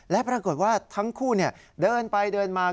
และปรากฏว่าทั้งคู่เดินไปเดินมา